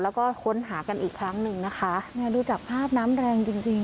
แล้วก็ค้นหากันอีกครั้งหนึ่งนะคะเนี่ยดูจากภาพน้ำแรงจริงจริง